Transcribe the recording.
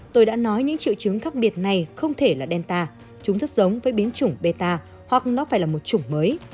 tôi đã nói những triệu chứng khác biệt này không thể là delta chúng rất giống với biến chủng beta hoặc nó phải là một chủng mới